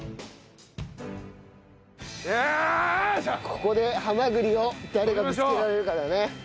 ここでハマグリを誰が見つけられるかだね。